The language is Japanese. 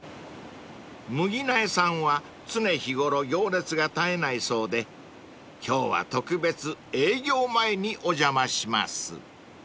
［麦苗さんは常日ごろ行列が絶えないそうで今日は特別営業前にお邪魔します］